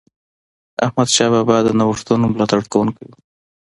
احمدشاه بابا د نوښتونو ملاتړ کوونکی و.